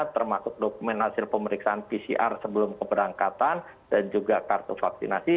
termasuk dokumen hasil pemeriksaan pcr sebelum keberangkatan dan juga kartu vaksinasi